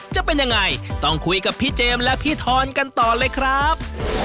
จะเป็นยังไงต้องคุยกับพี่เจมส์และพี่ทอนกันต่อเลยครับ